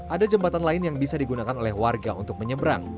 ada jembatan lain yang bisa digunakan oleh warga untuk menyeberang